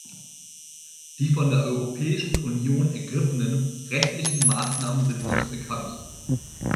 Die von der Europäischen Union ergriffenen rechtlichen Maßnahmen sind uns bekannt.